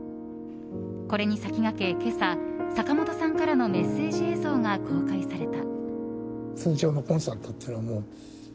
これに先駆け今朝、坂本さんからのメッセージ映像が公開された。